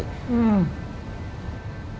อืม